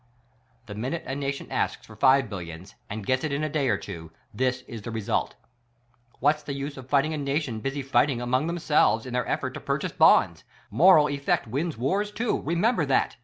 The minute a nation asks for "five billions" and gets it in a day or two, this is the result :_ What's the use of fighting a nation busy fighting among them selves in their effort^ to purchase Bonds? iVToral effect wins WARS, too; remember that